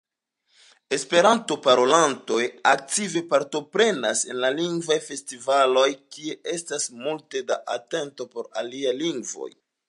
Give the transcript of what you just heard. Esperanto-parolantoj aktive partoprenas en lingvaj festivaloj kie estas multe da atento por aliaj lingvoj.